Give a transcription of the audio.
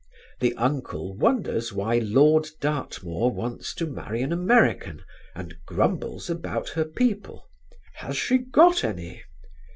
The uncle wonders why Lord Dartmoor wants to marry an American and grumbles about her people: "Has she got any?"